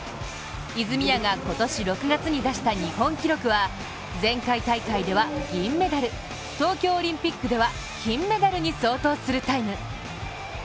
泉谷が今年６月に出した日本記録は前回大会では銀メダル、東京オリンピックでは金メダルに相当するタイム。